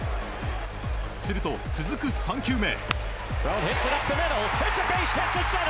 すると、続く３球目。